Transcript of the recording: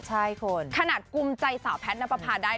เท่ามีเทคว่า